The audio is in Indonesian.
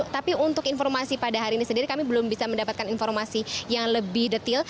tapi untuk informasi pada hari ini sendiri kami belum bisa mendapatkan informasi yang lebih detail